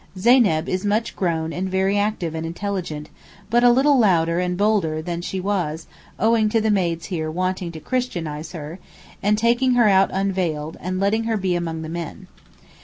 Zeyneb is much grown and very active and intelligent, but a little louder and bolder than she was owing to the maids here wanting to christianize her, and taking her out unveiled, and letting her be among the men.